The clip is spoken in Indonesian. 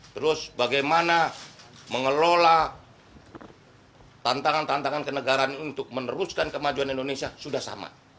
terus bagaimana mengelola tantangan tantangan kenegaraan untuk meneruskan kemajuan indonesia sudah sama